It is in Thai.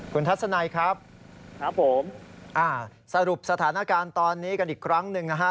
คุณทัศนัยครับครับผมอ่าสรุปสถานการณ์ตอนนี้กันอีกครั้งหนึ่งนะฮะ